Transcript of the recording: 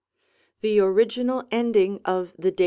The original ending of the Dat.